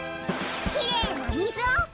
きれいなみずを！